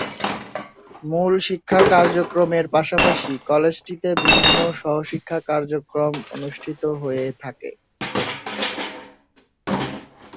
মূল শিক্ষা কার্যক্রমের পাশাপাশি কলেজটিতে বিভিন্ন সহ-শিক্ষা কার্যক্রম অনুষ্ঠিত হয়ে থাকে।